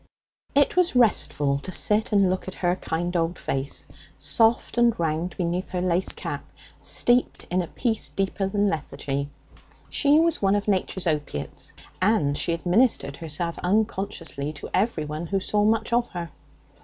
It was restful to sit and look at her kind old face, soft and round beneath her lace cap, steeped in a peace deeper than lethargy. She was one of nature's opiates, and she administered herself unconsciously to everyone who saw much of her.